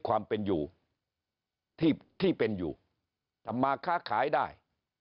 ความเป็นอยู่ที่เป็นอยู่ทำมาค้าขายได้